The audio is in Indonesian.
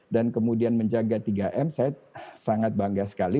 dan kemudian menjaga tiga m saya sangat bangga sekali